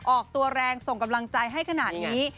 ออกตัวแรงส่งกำลังใจให้ขนาดนี้